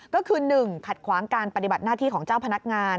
ก็คือ๑ขัดขวางการปฏิบัติหน้าที่ของเจ้าพนักงาน